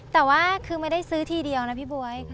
แต่ว่าคือไม่ได้ซื้อทีเดียวนะพี่บ๊วย